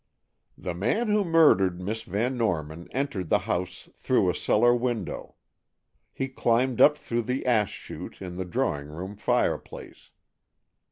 "The man who murdered Miss Van Norman entered the house through a cellar window. He climbed up through the ash chute in the drawing room fireplace."